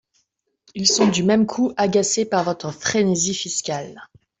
Ils sont du même coup agacés par votre frénésie fiscale.